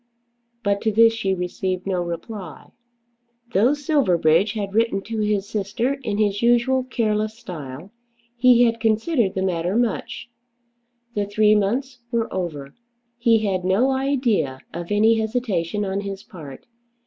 But to this she received no reply. Though Silverbridge had written to his sister in his usual careless style, he had considered the matter much. The three months were over. He had no idea of any hesitation on his part.